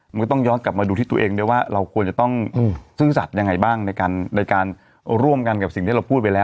มันก็ต้องย้อนกลับมาดูที่ตัวเองด้วยว่าเราควรจะต้องซื่อสัตว์ยังไงบ้างในการร่วมกันกับสิ่งที่เราพูดไปแล้ว